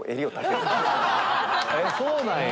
そうなんや！